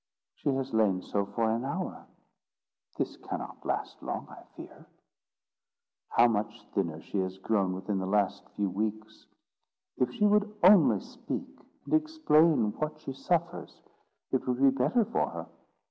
"She has lain so for an hour." "This cannot last long, I fear." "How much thinner she has grown within the last few weeks! If she would only speak, and explain what she suffers, it would be better for her.